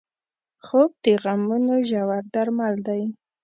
خوب د غمونو ژور درمل دی